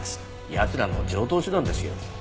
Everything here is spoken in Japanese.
奴らの常套手段ですよ。